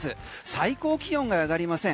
最高気温が上がりません。